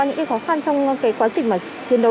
những khó khăn trong quá trình chiến đấu